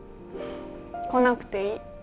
来なくていい。